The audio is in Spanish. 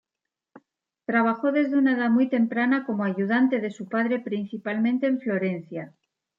Trabajó desde una edad muy temprana como ayudante de su padre principalmente en Florencia.